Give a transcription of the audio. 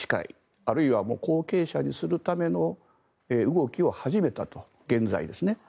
あるいはもう後継者にするための動きを始めたと、現在ですね。